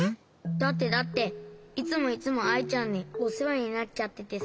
だってだっていつもいつもアイちゃんにおせわになっちゃっててさ。